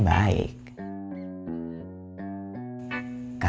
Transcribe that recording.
ya itu tuh